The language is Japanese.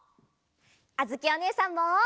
あづきおねえさんも！